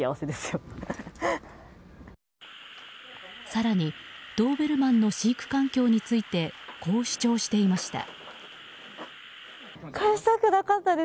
更にドーベルマンの飼育環境についてこう主張していました。